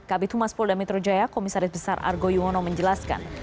kabit humas polda metro jaya komisaris besar argo yuwono menjelaskan